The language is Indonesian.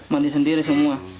mandi sendiri semua